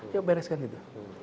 ya bereskan itu